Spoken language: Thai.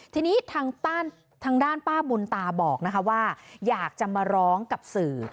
ทีนี้ทางด้านป้าบุญตาบอกว่าอยากจะมาร้องกับสื่อ